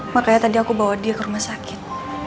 makanya tadi aku bawa dia ke rumah sakit